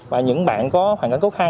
và những bạn có hoàn cảnh khó khăn